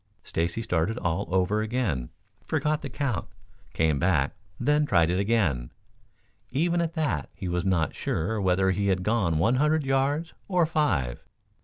Stacy started all over again, forgot the count, came back, then tried it again. Even at that he was not sure whether he had gone one hundred yards or five.